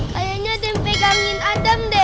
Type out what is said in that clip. kayaknya tempe gangil adam deh